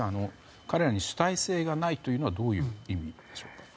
主体性がないというのはどういう意味でしょうか。